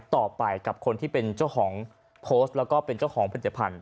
ต่อไปกับคนที่เป็นเจ้าของโพสต์แล้วก็เป็นเจ้าของผลิตภัณฑ